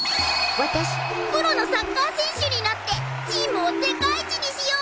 私プロのサッカー選手になってチームを世界一にしよう！